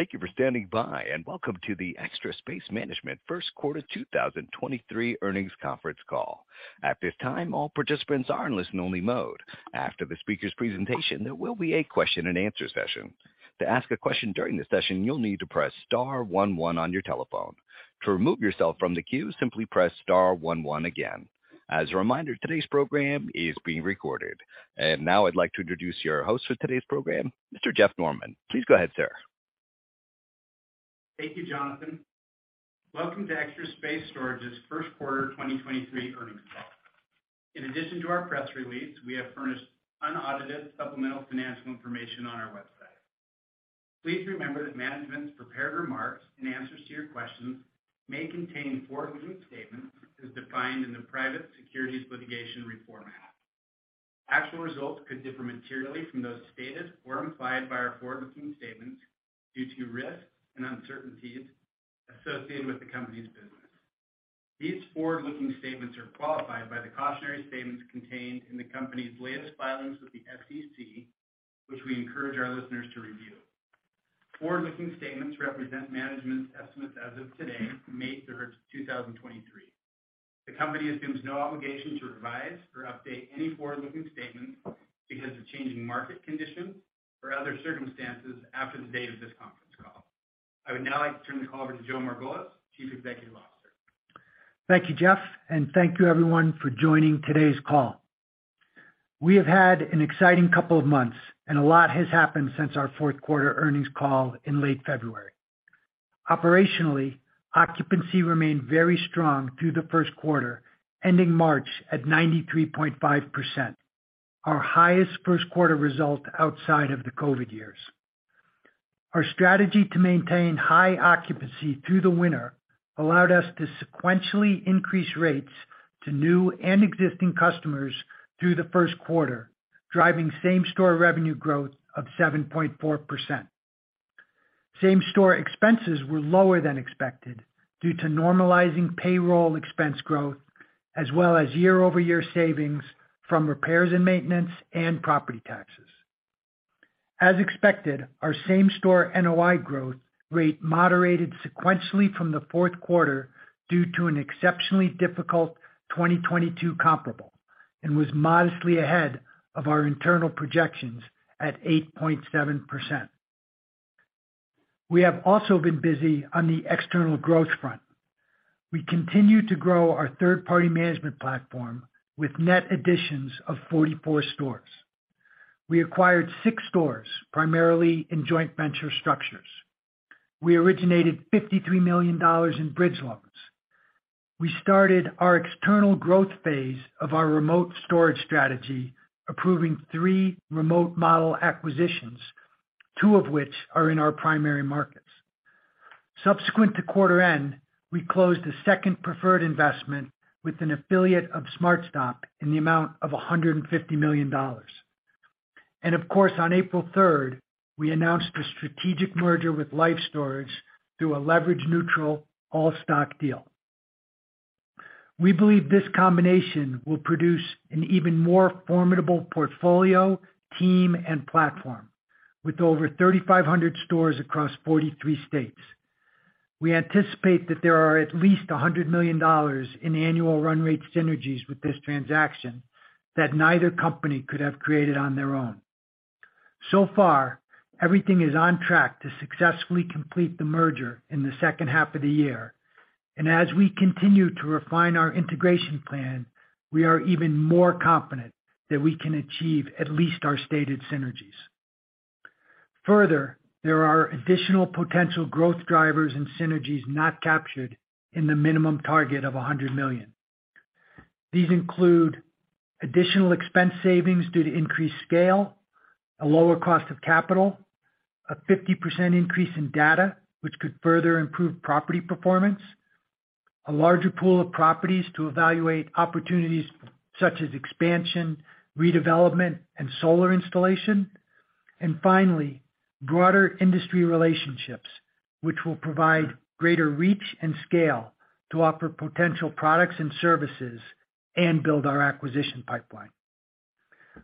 Thank you for standing by. Welcome to the Extra Space Storage 2023 Earnings Conference Call. At this time, all participants are in listen-only mode. After the speaker's presentation, there will be a question-and-answer session. To ask a question during the session, you'll need to press star one one on your telephone. To remove yourself from the queue, simply press star one one again. As a reminder, today's program is being recorded. Now I'd like to introduce your host for today's program, Mr. Jeff Norman. Please go ahead, sir. Thank you, Jonathan. Welcome to Extra Space Storage's Q1 2023 earnings call. In addition to our press release, we have furnished unaudited supplemental financial information on our website. Please remember that management's prepared remarks and answers to your questions may contain forward-looking statements as defined in the Private Securities Litigation Reform Act. Actual results could differ materially from those stated or implied by our forward-looking statements due to risks and uncertainties associated with the company's business. These forward-looking statements are qualified by the cautionary statements contained in the company's latest filings with the SEC, which we encourage our listeners to review. Forward-looking statements represent management's estimates as of today, May third, 2023. The company assumes no obligation to revise or update any forward-looking statements because of changing market conditions or other circumstances after the date of this conference call. I would now like to turn the call over to Joe Margolis, CEO. Thank you, Jeff, and thank you everyone for joining today's call. We have had an exciting couple of months, and a lot has happened since our Q4 earnings call in late February. Operationally, occupancy remained very strong through the first quarter, ending March at 93.5%, our highest Q1 result outside of the COVID years. Our strategy to maintain high occupancy through the winter allowed us to sequentially increase rates to new and existing customers through the Q1, driving same-store revenue growth of 7.4%. Same-store expenses were lower than expected due to normalizing payroll expense growth, as well as year-over-year savings from repairs and maintenance and property taxes. As expected, our same-store NOI growth rate moderated sequentially from the fourth quarter due to an exceptionally difficult 2022 comparable and was modestly ahead of our internal projections at 8.7%. We have also been busy on the external growth front. We continue to grow our third-party management platform with net additions of 44 stores. We acquired six stores, primarily in joint venture structures. We originated $53 million in bridge loans. We started our external growth phase of our remote storage strategy, approving three remote model acquisitions, two of which are in our primary markets. Subsequent to quarter end, we closed a second preferred investment with an affiliate of SmartStop in the amount of $150 million. Of course, on April 3rd, we announced a strategic merger with Life Storage through a leverage neutral all-stock deal. We believe this combination will produce an even more formidable portfolio, team, and platform with over 3,500 stores across 43 states. We anticipate that there are at least $100 million in annual run rate synergies with this transaction that neither company could have created on their own. So far, everything is on track to successfully complete the merger in the second half of the year. As we continue to refine our integration plan, we are even more confident that we can achieve at least our stated synergies. There are additional potential growth drivers and synergies not captured in the minimum target of $100 million. These include additional expense savings due to increased scale, a lower cost of capital, a 50% increase in data which could further improve property-performance, a larger pool of properties to evaluate opportunities such as expansion, re-development, and solar-installation. Finally, broader industry relationships, which will provide greater reach and scale to offer potential products and services and build our acquisition pipeline.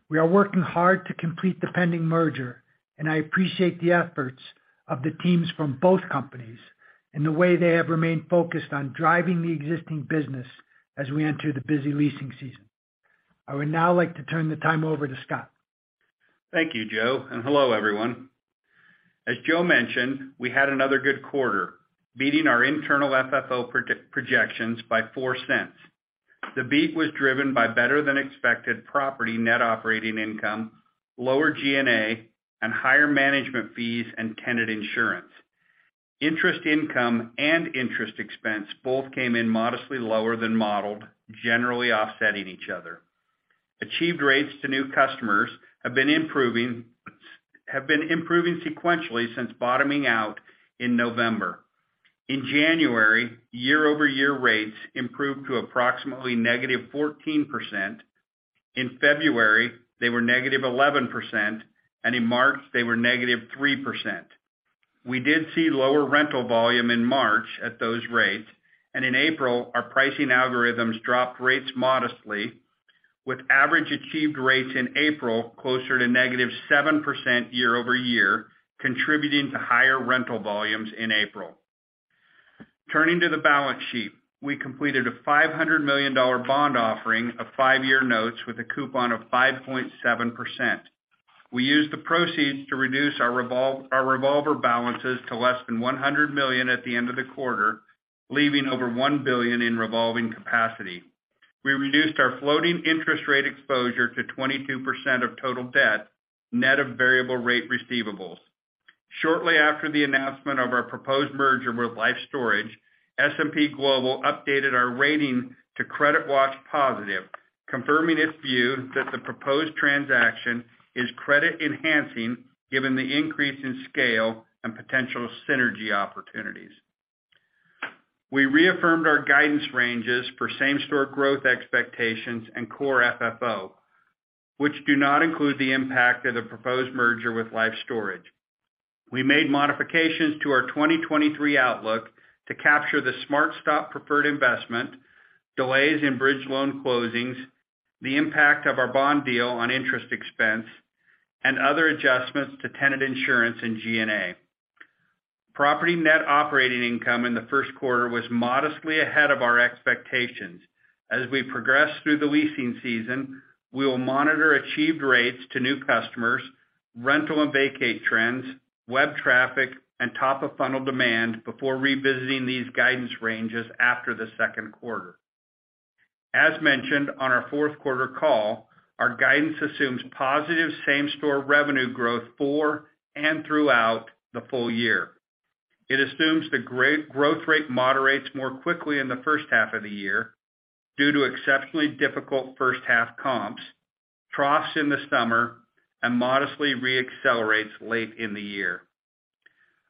We are working hard to complete the pending merger, and I appreciate the efforts of the teams from both companies and the way they have remained focused on driving the existing business as we enter the busy leasing season. I would now like to turn the time over to Scott. Thank you, Joe. Hello, everyone. As Joe mentioned, we had another good quarter, beating our internal FFO projections by $0.04. The beat was driven by better than expected property net operating income, lower G&A, and higher management fees and tenant insurance. Interest income and interest expense both came in modestly lower than modeled, generally off-setting each other. Achieved rates to new customers have been improving sequentially since bottoming out in November. In January, year-over-year rates improved to approximately negative 14%. In February, they were negative 11%. In March, they were negative 3%. We did see lower rental volume in March at those rates. In April, our pricing algorithms dropped rates modestly. With average achieved rates in April closer to negative 7% year-over-year, contributing to higher rental volumes in April. Turning to the balance sheet, we completed a $500 million bond offering of five-year notes with a coupon of 5.7%. We used the proceeds to reduce our revolver balances to less than $100 million at the end of the quarter, leaving over $1 billion in revolving capacity. We reduced our floating interest rate exposure to 22% of total debt, net of variable rate receivables. Shortly after the announcement of our proposed merger with Life Storage, S&P Global updated our rating to CreditWatch Positive, confirming its view that the proposed transaction is credit enhancing given the increase in scale and potential synergy opportunities. We reaffirmed our guidance ranges for same-store growth expectations and core FFO, which do not include the impact of the proposed merger with Life Storage. We made modifications to our 2023 outlook to capture the SmartStop preferred investment, delays in bridge loan closings, the impact of our bond deal on interest expense, and other adjustments to tenant insurance and G&A. Property net operating income in the Q1 was modestly ahead of our expectations. As we progress through the leasing season, we will monitor achieved rates to new customers, rental and vacate trends, web traffic, and top of funnel demand before revisiting these guidance ranges after the second quarter. As mentioned on our fourth quarter call, our guidance assumes positive same-store revenue growth for and throughout the full year. It assumes the growth rate moderates more quickly in the first half of the year due to exceptionally difficult first half comps, troughs in the summer, and modestly re-accelerates late in the year.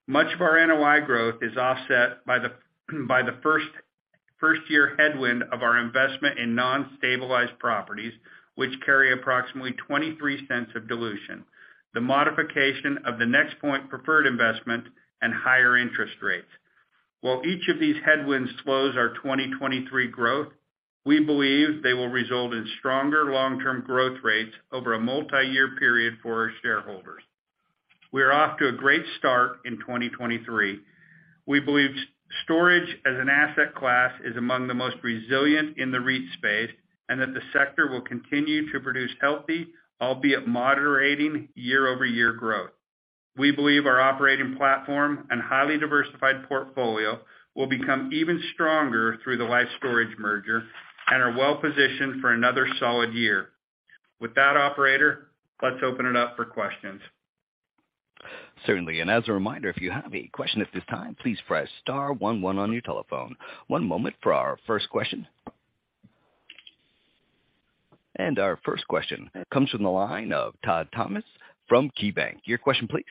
Much of our NOI growth is offset by the first year headwind of our investment in non-stabilized properties, which carry approximately $0.23 of dilution, the modification of the NexPoint preferred investment, and higher interest rates. While each of these headwinds slows our 2023 growth, we believe they will result in stronger long-term growth rates over a multiyear period for our shareholders. We are off to a great start in 2023. We believe storage as an asset class is among the most resilient in the REIT space, and that the sector will continue to produce healthy, albeit moderating year-over-year growth. We believe our operating platform and highly diversified portfolio will become even stronger through the Life Storage merger and are well positioned for another solid year. With that, operator, let's open it up for questions. Certainly. As a reminder, if you have any question at this time, please press star one one on your telephone. 1 moment for our first question. Our first question comes from the line of Todd Thomas from KeyBanc. Your question please.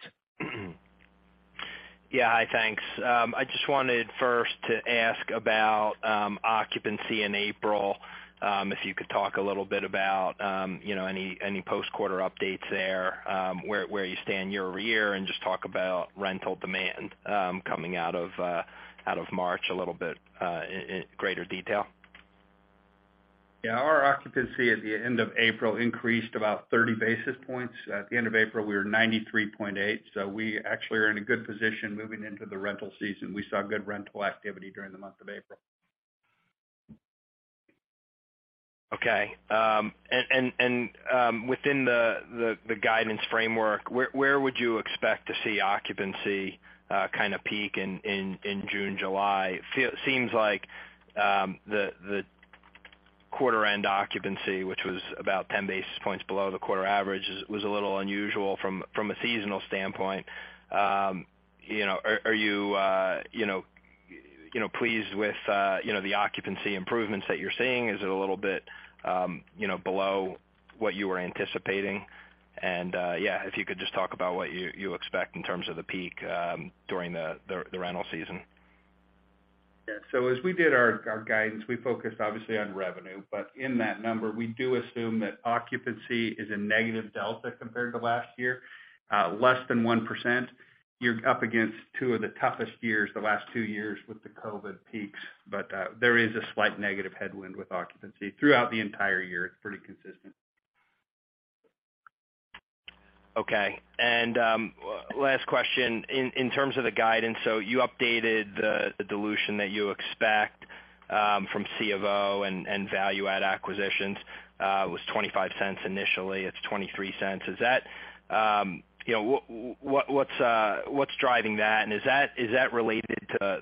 Yeah. Hi. Thanks. I just wanted first to ask about occupancy in April, if you could talk a little bit about, you know, any post-quarter updates there, where you stand year-over-year, and just talk about rental demand, coming out of March a little bit in greater detail? Our occupancy at the end of April increased about 30 basis points. At the end of April, we were 93.8, so we actually are in a good position moving into the rental season. We saw good rental activity during the month of April. Okay. Within the guidance framework, where would you expect to see occupancy kind of peak in June, July? Seems like the quarter end occupancy, which was about 10 bps below the quarter average was a little unusual from a seasonal standpoint. You know, are you pleased with you know, the occupancy improvements that you're seeing? Is it a little bit you know, below what you were anticipating? Yeah, if you could just talk about what you expect in terms of the peak during the rental season. As we did our guidance, we focused obviously on revenue. In that number, we do assume that occupancy is a negative delta compared to last year, less than 1%. You're up against two of the toughest years, the last two years with the COVID peaks, there is a slight negative headwind with occupancy. Throughout the entire year, it's pretty consistent. Last question. In terms of the guidance, you updated the dilution that you expect from C ofO and value add acquisitions, was $0.25 initially, it's $0.23. Is that, you know, what's driving that? Is that related to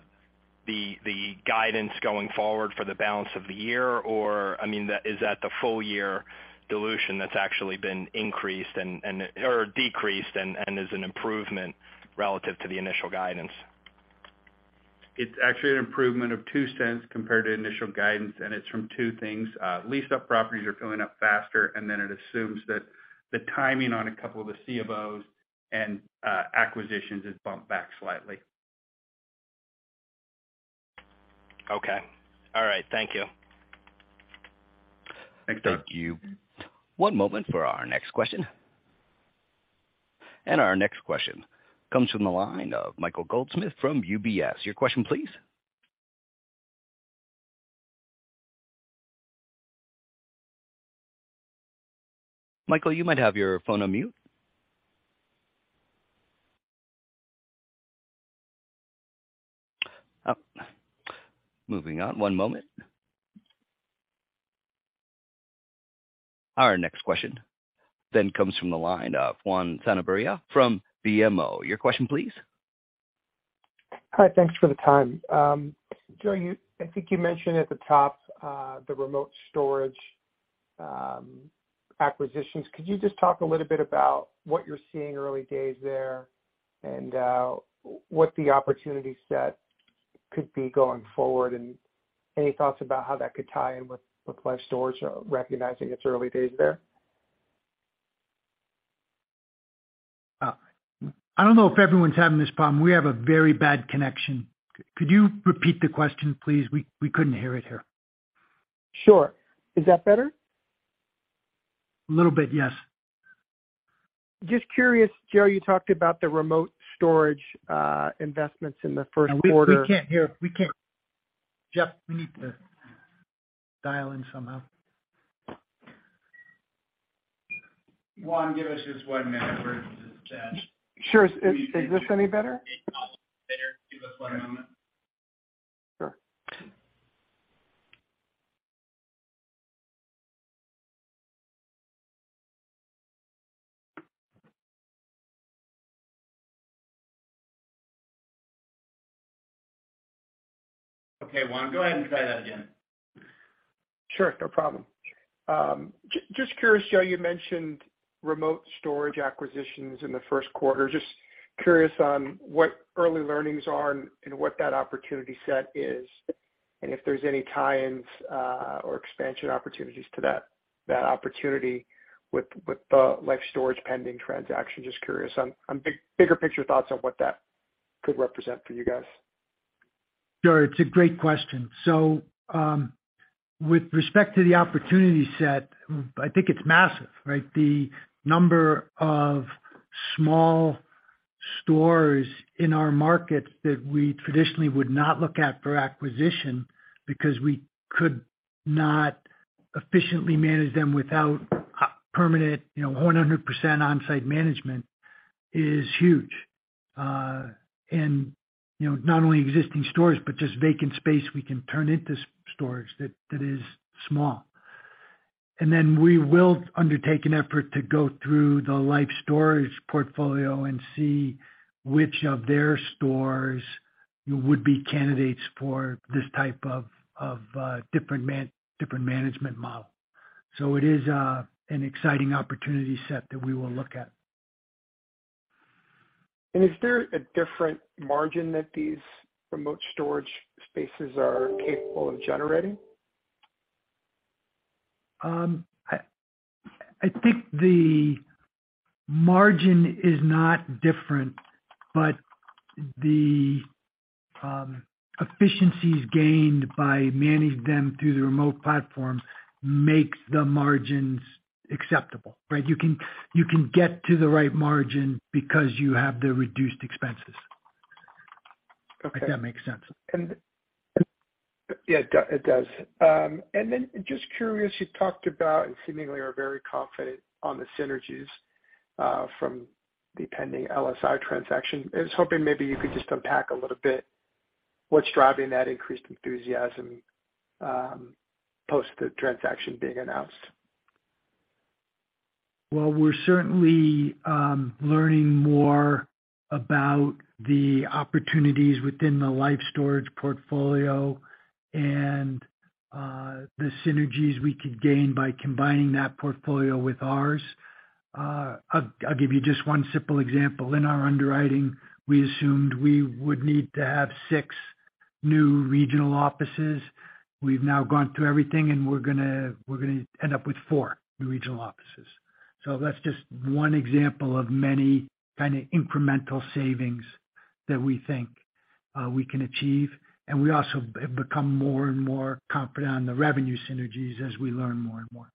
the guidance going forward for the balance of the year? I mean, is that the full year dilution that's actually been increased or decreased and is an improvement relative to the initial guidance? It's actually an improvement of $0.02 compared to initial guidance, and it's from two things. Leased up properties are filling up faster, and then it assumes that the timing on a couple of the C of O properties and acquisitions is bumped back slightly. Okay. All right. Thank you. Thanks, Todd. Thank you. One moment for our next question. Our next question comes from the line of Michael Goldsmith from UBS. Your question, please. Michael, you might have your phone on mute. Oh, moving on. One moment. Our next question comes from the line of Juan Sanabria from BMO. Your question, please. Hi. Thanks for the time. Joe, I think you mentioned at the top, the remote storage acquisitions. Could you just talk a little bit about what you're seeing early days there and what the opportunity set could be going forward, and any thoughts about how that could tie in with Life Storage, recognizing it's early days there? I don't know if everyone's having this problem. We have a very bad connection. Could you repeat the question, please? We couldn't hear it here. Sure. Is that better? A little bit, yes. Just curious, Joe, you talked about the remote storage investments in the first quarter. We can't hear. We can't. Jeff, we need to dial in somehow. Juan, give us just one minute. We're just. Sure. Is this any better? Better. Give us one moment. Sure. Okay. Juan, go ahead and try that again. Sure. No problem. Just curious, Joe, you mentioned remote storage acquisitions in the Q1. Just curious on what early learnings are and what that opportunity set is, and if there's any tie-ins or expansion opportunities to that opportunity with the Life Storage pending transaction? Just curious on bigger picture thoughts on what that could represent for you guys? Sure. It's a great question. With respect to the opportunity set, I think it's massive, right? The number of small stores in our markets that we traditionally would not look at for acquisition because we could not efficiently manage them without permanent, you know, 100% on-site management is huge. You know, not only existing stores, but just vacant space we can turn into storage that is small. We will undertake an effort to go through the Life Storage portfolio and see which of their stores would be candidates for this type of different management model. It is an exciting opportunity set that we will look at. Is there a different margin that these remote storage spaces are capable of generating? I think the margin is not different, the efficiencies gained by managing them through the remote platform makes the margins acceptable, right? You can get to the right margin because you have the reduced expenses. Okay. If that makes sense. Yeah, it does. Just curious, you talked about and seemingly are very confident on the synergies from the pending LSI transaction. I was hoping maybe you could just unpack a little bit what's driving that increased enthusiasm post the transaction being announced. We're certainly learning more about the opportunities within the Life Storage portfolio and the synergies we could gain by combining that portfolio with ours. I'll give you just one simple example. In our under-writing, we assumed we would need to have six new regional offices. We've now gone through everything, and we're gonna end up with four new regional offices. That's just one example of many kind of incremental savings that we think we can achieve. We also have become more and more confident on the revenue synergies as we learn more and more.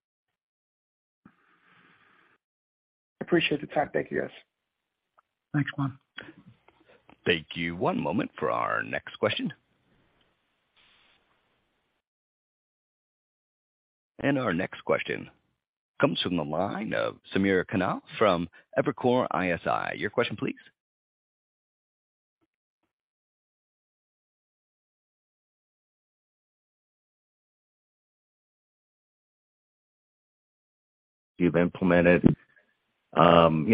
Appreciate the time. Thank you, guys. Thanks, Juan. Thank you. One moment for our next question. Our next question comes from the line of Samir Khanal from Evercore ISI. Your question, please. You've implemented, you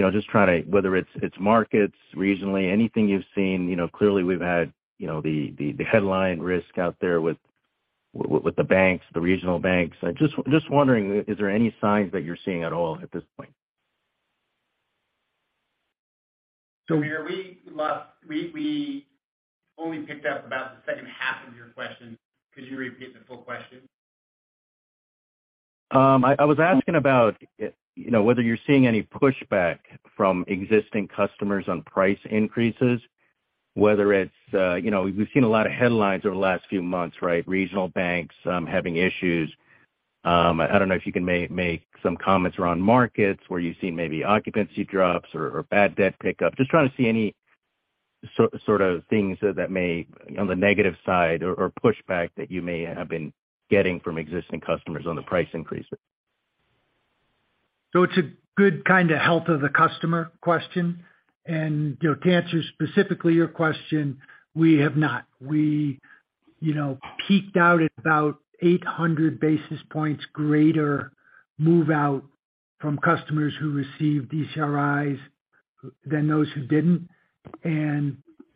know, just trying to. Whether it's markets regionally, anything you've seen. You know, clearly we've had, you know, the headline risk out there with the banks, the regional banks. I just wondering, is there any signs that you're seeing at all at this point? Samir, we lost We only picked up about the H2 of your question. Could you repeat the full question? I was asking about, you know, whether you're seeing any pushback from existing customers on price increases. Whether it's, you know, we've seen a lot of headlines over the last few months, right? Regional banks having issues. I don't know if you can make some comments around markets where you've seen maybe occupancy drops or bad debt pick-up. Just trying to see any sort of things that may... On the negative side or pushback that you may have been getting from existing customers on the price increases. It's a good kind of health of the customer question. You know, to answer specifically your question, we have not. We, you know, peaked out at about 800 bps greater move out from customers who received ECRIs than those who didn't.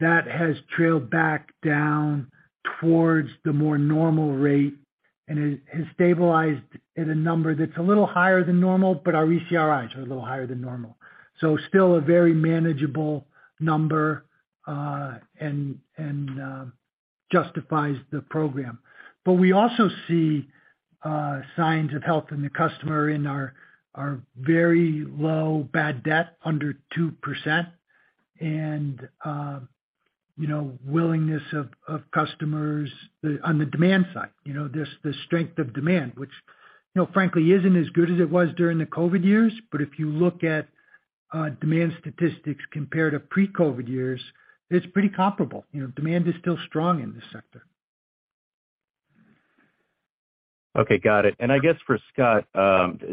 That has trailed back down towards the more normal rate and has stabilized at a number that's a little higher than normal, but our ECRIs are a little higher than normal. Still a very manageable number, and justifies the program. We also see signs of health in the customer in our very low bad debt under 2%. You know, willingness of customers on the demand side, you know, the strength of demand, which, you know, frankly isn't as good as it was during the COVID years. If you look at, demand statistics compared to pre-COVID years, it's pretty comparable. You know, demand is still strong in this sector. Okay. Got it. I guess for Scott,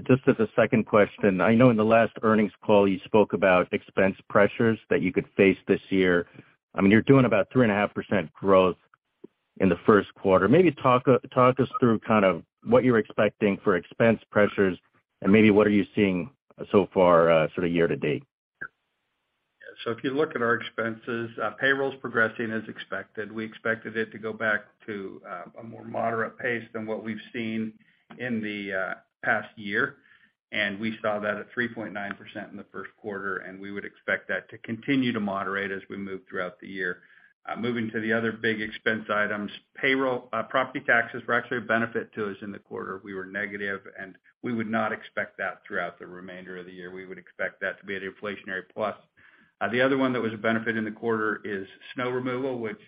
just as a second question. I know in the last earnings call you spoke about expense pressures that you could face this year. I mean, you're doing about 3.5% growth in the Q1. Maybe talk us through kind of what you're expecting for expense pressures and maybe what are you seeing so far, sort of year to date. If you look at our expenses, payroll's progressing as expected. We expected it to go back to a more moderate pace than what we've seen in the past year. We saw that at 3.9% in the first quarter, and we would expect that to continue to moderate as we move throughout the year. Moving to the other big expense items, payroll. Property taxes were actually a benefit to us in the quarter. We were negative, and we would not expect that throughout the remainder of the year. We would expect that to be an inflationary plus. The other one that was a benefit in the quarter is snow removal, which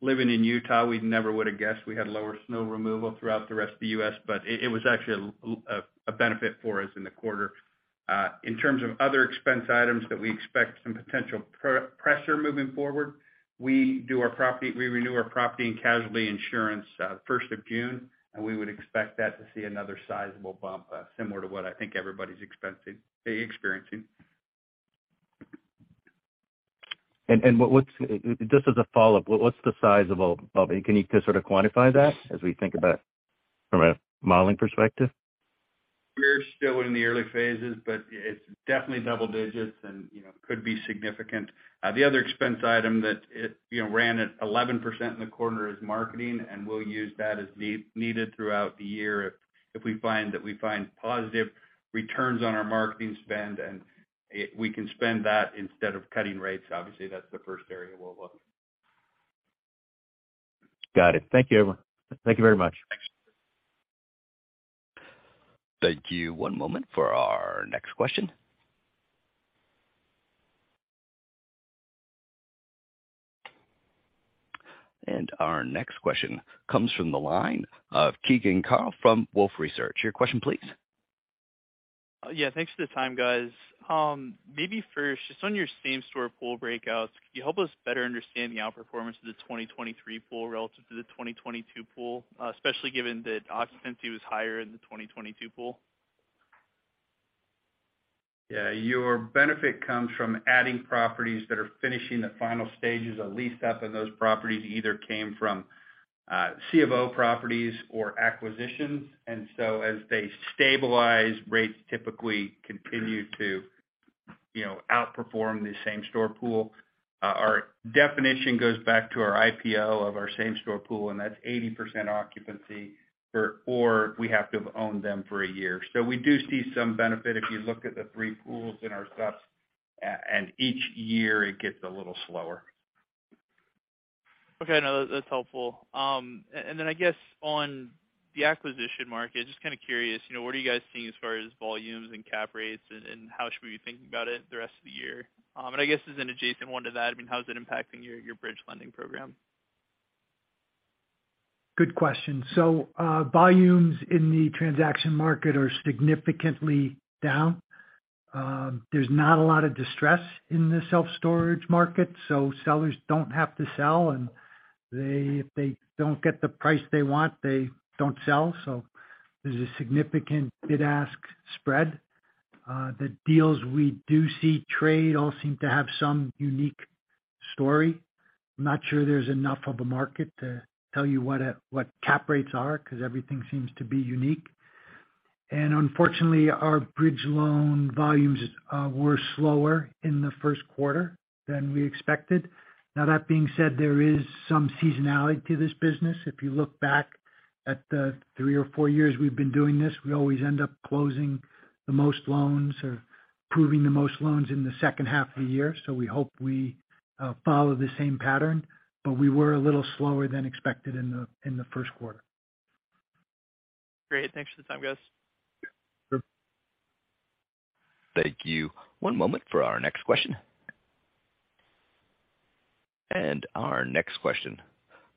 living in Utah, we never would've guessed we had lower snow removal throughout the rest of the U.S., but it was actually a benefit for us in the quarter. In terms of other expense items that we expect some potential pressure moving forward, we renew our property and casualty insurance, first of June, we would expect that to see another sizable bump, similar to what I think everybody's experiencing. What's, just as a follow-up, what's the size of can you sort of quantify that as we think about from a modeling perspective? We're still in the early phases, but it's definitely double digits and, you know, could be significant. The other expense item that it, you know, ran at 11% in the quarter is marketing, and we'll use that as needed throughout the year if we find that we find positive returns on our marketing spend and we can spend that instead of cutting rates. Obviously, that's the first area we'll look. Got it. Thank you, everyone. Thank you very much. Thanks. Thank you. One moment for our next question. Our next question comes from the line of Keegan Carl from Wolfe Research. Your question please. Thanks for the time, guys. Maybe first, just on your same-store pool breakouts, could you help us better understand the outperformance of the 2023 pool relative to the 2022 pool, especially given that occupancy was higher in the 2022 pool? Yeah. Your benefit comes from adding properties that are finishing the final stages of lease up, and those properties either came from C of O properties or acquisitions. As they stabilize, rates typically continue to, you know, outperform the same-store pool. Our definition goes back to our IPO of our same-store pool, and that's 80% occupancy or we have to have owned them for a year. We do see some benefit if you look at the three pools in our steps, and each year it gets a little slower. Okay. No, that's helpful. I guess on the acquisition market, just kind of curious, you know, what are you guys seeing as far as volumes and cap rates and how should we be thinking about it the rest of the year? I guess as an adjacent one to that, I mean, how is it impacting your bridge lending program? Good question. volumes in the transaction market are significantly down. There's not a lot of distress in the self-storage market, so sellers don't have to sell, and if they don't get the price they want, they don't sell. There's a significant bid-ask spread. The deals we do see trade all seem to have some unique story. I'm not sure there's enough of a market to tell you what cap rates are because everything seems to be unique. Unfortunately, our bridge loan volumes were slower in the first quarter than we expected. That being said, there is some seasonality to this business. If you look back at the three or four years we've been doing this, we always end up closing the most loans or approving the most loans in the second half of the year. We hope we follow the same pattern, but we were a little slower than expected in the Q1. Great. Thanks for the time, guys. Sure. Thank you. One moment for our next question. Our next question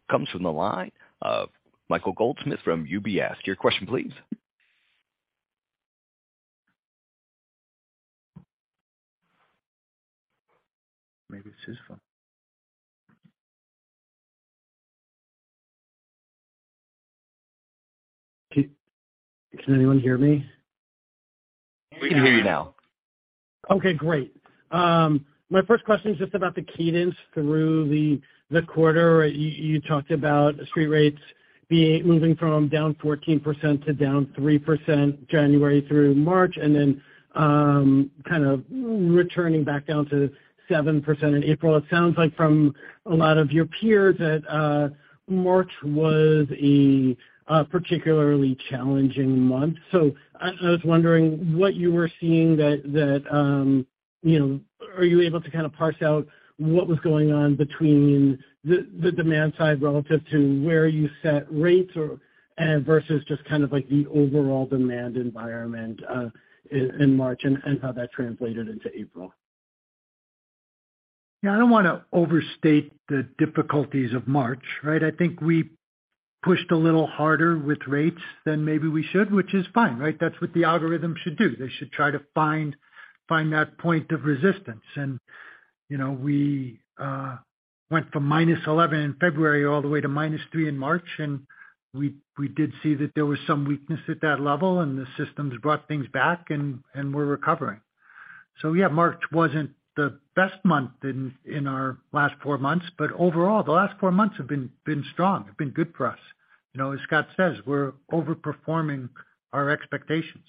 comes from the line of Michael Goldsmith from UBS. Your question please. Maybe it's his phone. Can anyone hear me? We can hear you now. Okay, great. My first question is just about the cadence through the quarter. You talked about street rates moving from down 14% to down 3% January through March, and then kind of returning back down to 7% in April. It sounds like from a lot of your peers that March was a particularly challenging month. I was wondering what you were seeing that, you know... Are you able to kind of parse out what was going on between the demand side relative to where you set-rates and versus just kind of like the overall demand environment in March and how that translated into April? I don't wanna overstate the difficulties of March, right? I think we pushed a little harder with rates than maybe we should, which is fine, right? That's what the algorithm should do. They should try to find that point of resistance. You know, we went from -11 in February all the way to -3 in March, and we did see that there was some weakness at that level, and the systems brought things back and we're recovering. Yeah, March wasn't the best month in our last four months, but overall, the last four months have been strong. They've been good for us. You know, as Scott says, we're overperforming our expectations.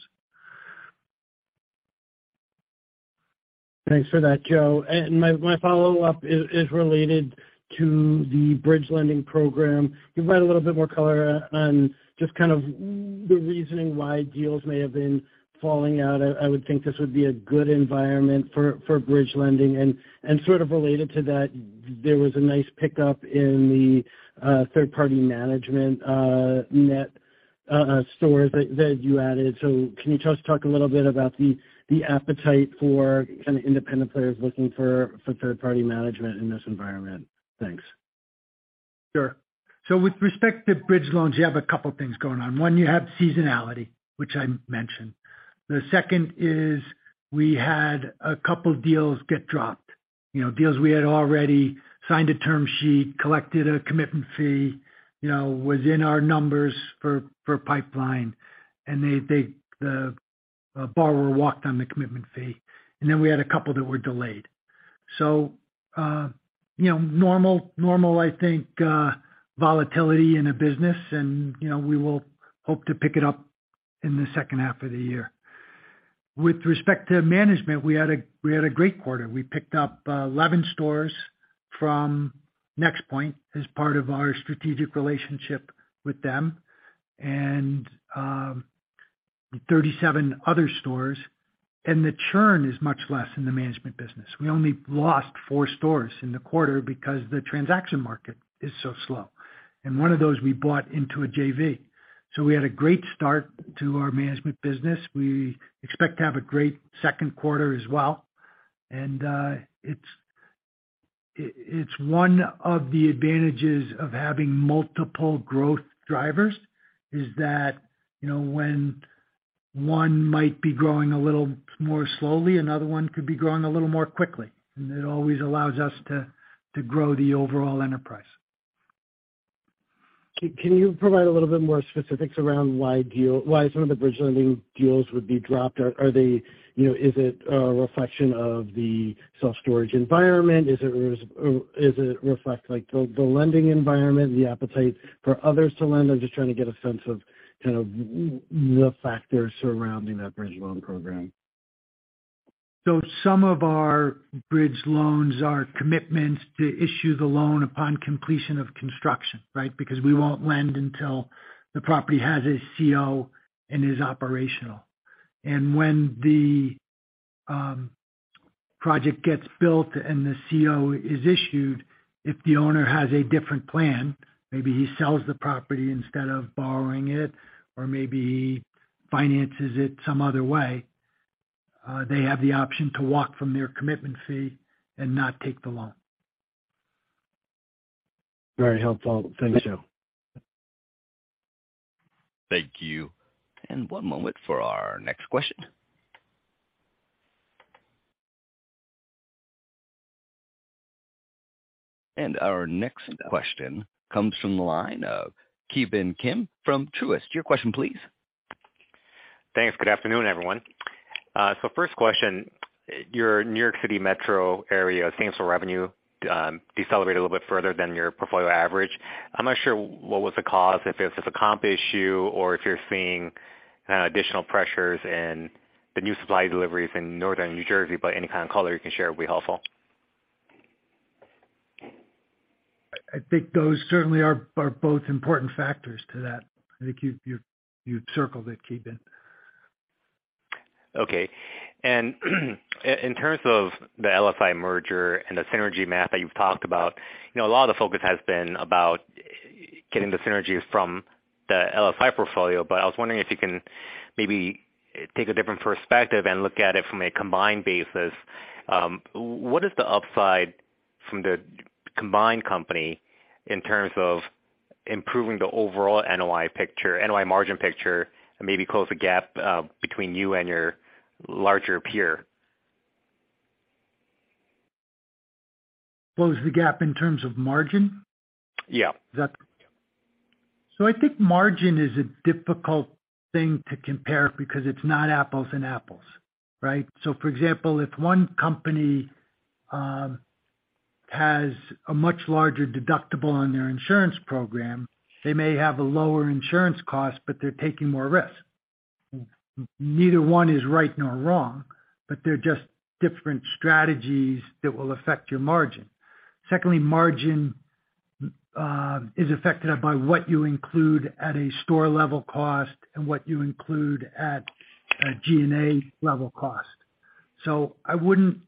Thanks for that, Joe. My follow-up is related to the bridge-lending program. Can you provide a little bit more color on just kind of the reasoning why deals may have been falling out? I would think this would be a good environment for bridge-lending. Sort of related to that, there was a nice pickup in the third party management, net stores that you added. Can you just talk a little bit about the appetite for kind of independent players looking for third party management in this environment? Thanks. Sure. With respect to bridge loans, you have a couple things going on. One, you have seasonality, which I mentioned. The second is we had a couple deals get dropped. You know, deals we had already signed a term sheet, collected a commitment fee, you know, was in our numbers for pipeline, and the borrower walked on the commitment fee. We had a couple that were delayed. You know, normal, I think, volatility in a business and, you know, we will hope to pick it up in the second half of the year. With respect to management, we had a great quarter. We picked up 11 stores from NexPoint as part of our strategic relationship with them and 37 other stores. The churn is much less in the management business. We only lost four stores in the quarter because the transaction market is so slow. One of those we bought into a JV. We had a great start to our management business. We expect to have a great second quarter as well. It's one of the advantages of having multiple growth drivers, is that, you know, when one might be growing a little more slowly, another one could be growing a little more quickly. It always allows us to grow the overall enterprise. Can you provide a little bit more specifics around why some of the bridge lending deals would be dropped? Are they, you know, is it a reflection of the self-storage environment, or is it reflect like the lending environment, the appetite for others to lend? I'm just trying to get a sense of kind of the factors surrounding that bridge loan program. Some of our bridge loans are commitments to issue the loan upon completion of construction, right? Because we won't lend until the property has its CO and is operational. When the project gets built and the CO is issued, if the owner has a different plan, maybe he sells the property instead of borrowing it or maybe he finances it some other way, they have the option to walk from their commitment fee and not take the loan. Very helpful. Thanks, Joe. Thank you. One moment for our next question. Our next question comes from the line of Ki Bin Kim from Truist. Your question please. Thanks. Good afternoon, everyone. First question, your New York City metro area same-store revenue, decelerated a little bit further than your portfolio average. I'm not sure what was the cause, if it's a comp issue or if you're seeing additional pressures in the new supply deliveries in Northern New Jersey, but any kind of color you can share would be helpful. I think those certainly are both important factors to that. I think you circled it, Ki Bin. Okay. In terms of the LSI merger and the synergy map that you've talked about, you know, a lot of the focus has been about getting the synergies from the LSI portfolio. I was wondering if you can maybe take a different perspective and look at it from a combined basis. What is the upside from the combined company in terms of improving the overall NOI picture, NOI margin picture, and maybe close the gap between you and your larger peer? Close the gap in terms of margin? Yeah. I think margin is a difficult thing to compare because it's not apples and apples, right? For example, if one company has a much larger deductible on their insurance program, they may have a lower insurance cost, but they're taking more risk. Neither one is right nor wrong, but they're just different strategies that will affect your margin. Secondly, margin is affected by what you include at a store level cost and what you include at a G&A level cost. I wouldn't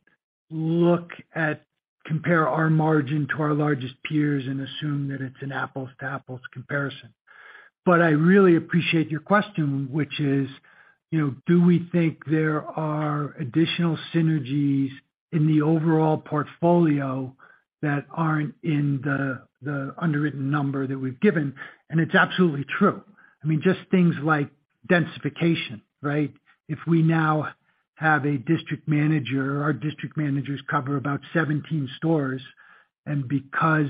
compare our margin to our largest peers and assume that it's an apples to apples comparison. I really appreciate your question, which is, you know, do we think there are additional synergies in the overall portfolio that aren't in the underwritten number that we've given? It's absolutely true. I mean, just things like densification, right? If we now have a district manager, our district managers cover about 17 stores, and because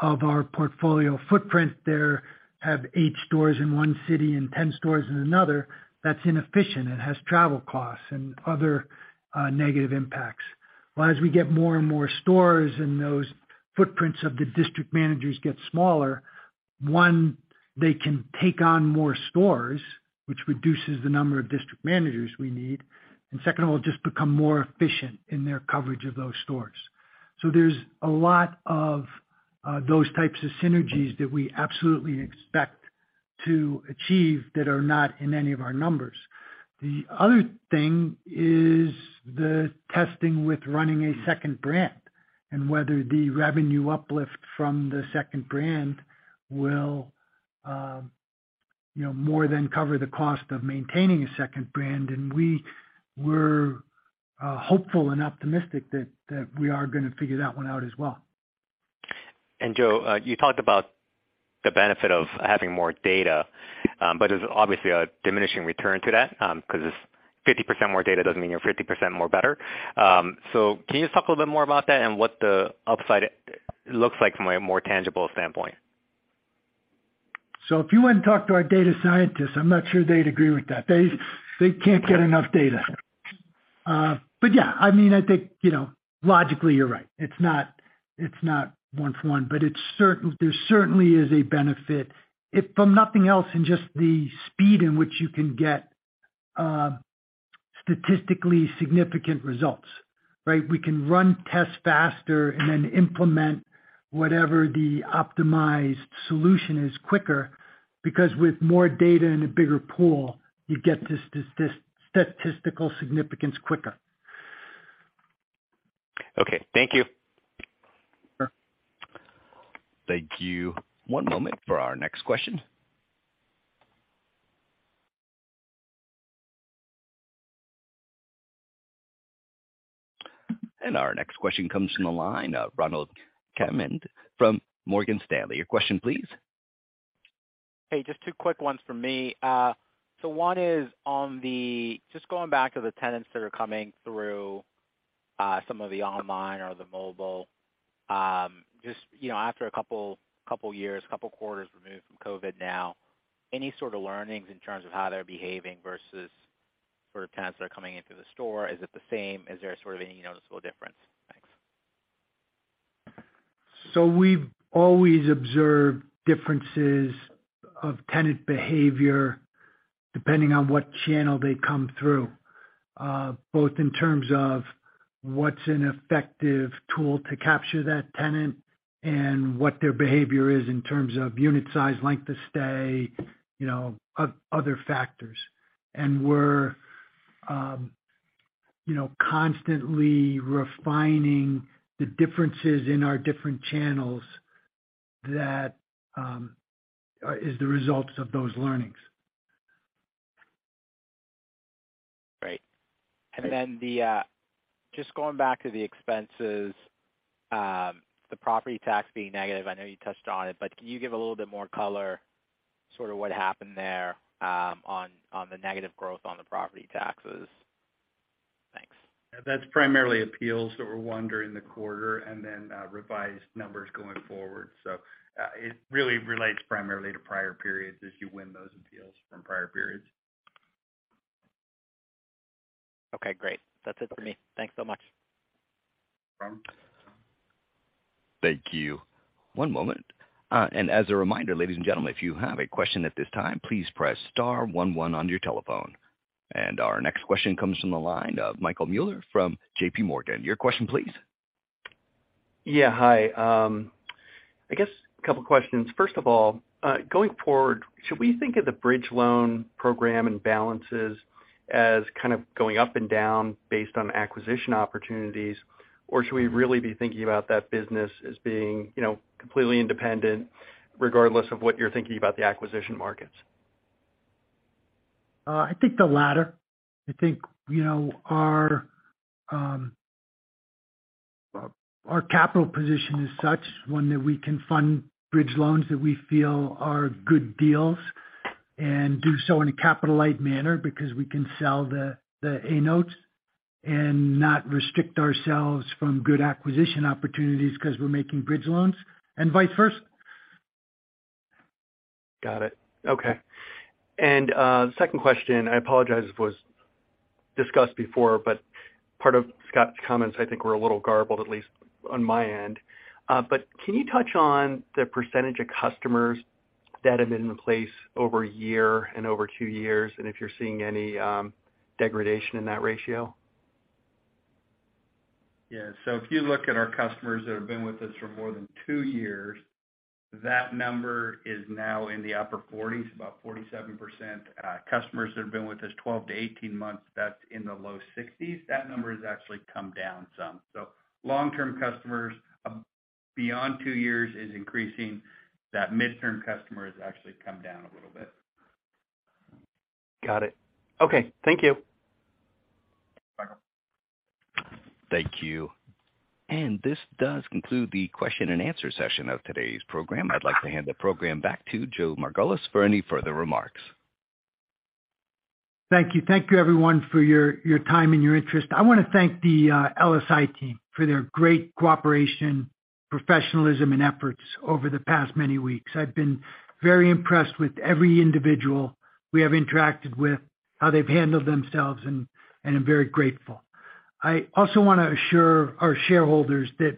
of our portfolio footprint there have eight stores in one city and 10 stores in another, that's inefficient. It has travel costs and other negative impacts. As we get more and more stores and those footprints of the district managers get smaller, one, they can take on more stores, which reduces the number of district managers we need, and second of all, just become more efficient in their coverage of those stores. There's a lot of those types of synergies that we absolutely expect to achieve that are not in any of our numbers. The other thing is the testing with running a second brand and whether the revenue uplift from the second brand will, you know, more than cover the cost of maintaining a second brand. we were hopeful and optimistic that we are gonna figure that one out as well. Joe, you talked about the benefit of having more data, but there's obviously a diminishing return to that, 'cause it's 50% more data doesn't mean you're 50% more better. Can you just talk a little bit more about that and what the upside looks like from a more tangible standpoint? If you went and talked to our data scientists, I'm not sure they'd agree with that. They can't get enough data. But yeah, I mean, I think, you know, logically you're right. It's not, it's not 1 to 1, but there certainly is a benefit if from nothing else in just the speed in which you can get statistically significant results, right? We can run tests faster and then implement whatever the optimized solution is quicker because with more data in a bigger pool, you get statistical significance quicker. Okay, thank you. Sure. Thank you. One moment for our next question. Our next question comes from the line of Ronald Kamdem from Morgan Stanley. Your question, please. Hey, just two quick ones from me. One is on the Just going back to the tenants that are coming through, some of the online or the mobile, just, you know, after a couple years, couple quarters removed from COVID now, any sort of learnings in terms of how they're behaving versus sort of tenants that are coming into the store, is it the same? Is there sort of any noticeable difference? Thanks. We've always observed differences of tenant behavior depending on what channel they come through, both in terms of what's an effective tool to capture that tenant and what their behavior is in terms of unit size, length of stay, you know, other factors. We're, you know, constantly refining the differences in our different channels that is the results of those learnings. Great. The, just going back to the expenses, the property tax being negative, I know you touched on it, but can you give a little bit more color sort of what happened there, on the negative growth on the property taxes? Thanks. That's primarily appeals that were won during the quarter and then, revised numbers going forward. It really relates primarily to prior periods as you win those appeals from prior periods. Okay, great. That's it for me. Thanks so much. Thank you. One moment. As a reminder, ladies and gentlemen, if you have a question at this time, please press star one one on your telephone. Our next question comes from the line of Michael Mueller from JP Morgan. Your question, please. Hi. I guess a couple questions. First of all, going forward, should we think of the bridge loan program and balances as kind of going up and down based on acquisition opportunities, or should we really be thinking about that business as being, you know, completely independent regardless of what you're thinking about the acquisition markets? I think the latter. I think, you know, our capital position is such one that we can fund bridge loans that we feel are good deals and do so in a capital-light manner because we can sell the A notes and not restrict ourselves from good-acquisition opportunities because we're making bridge loans and vice versa. Got it. Okay. Second question, I apologize if it was discussed before, part of Scott's comments I think were a little garbled, at least on my end. Can you touch on the % of customers that have been in place over a year and over two years, and if you're seeing any degradation in that ratio? Yeah. If you look at our customers that have been with us for more than two years, that number is now in the upper 40s, about 47%. Customers that have been with us 12 to 18 months, that's in the low 60s. That number has actually come down some. Long-term customers beyond two years is increasing. That midterm customer has actually come down a little bit. Got it. Okay. Thank you. You're welcome. Thank you. This does conclude the question and answer session of today's program. I'd like to hand the program back to Joe Margolis for any further remarks. Thank you. Thank you everyone for your time and your interest. I wanna thank the LSI team for their great cooperation, professionalism and efforts over the past many weeks. I've been very impressed with every individual we have interacted with, how they've handled themselves, and I'm very grateful. I also wanna assure our shareholders that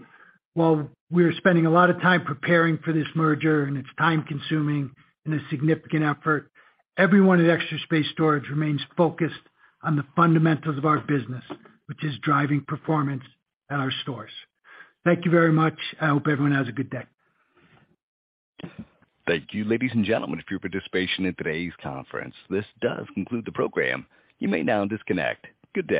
while we're spending a lot of time preparing for this merger and it's time-consuming and a significant effort, everyone at Extra Space Storage remains focused on the fundamentals of our business, which is driving performance at our stores. Thank you very much. I hope everyone has a good day. Thank you, ladies and gentlemen, for your participation in today's conference. This does conclude the program. You may now disconnect. Good day.